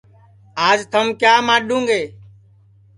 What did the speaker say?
آج تھم کیا ماڈؔوں گے